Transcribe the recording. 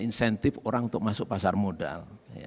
insentif orang untuk masuk pasar modal